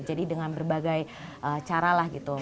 jadi dengan berbagai cara lah gitu